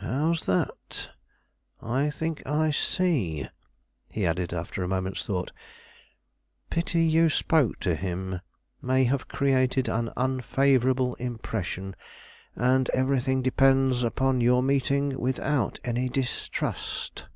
"How's that? I think I see," he added, after a moment's thought. "Pity you spoke to him; may have created an unfavorable impression; and everything depends upon your meeting without any distrust."